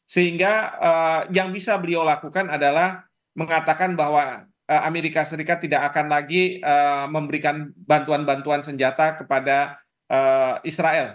sehingga yang bisa beliau lakukan adalah mengatakan bahwa amerika serikat tidak akan lagi memberikan bantuan bantuan senjata kepada israel